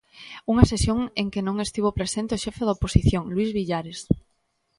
Unha sesión en que non estivo presente o xefe da oposición, Luís Villares.